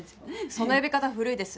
その呼び方古いです。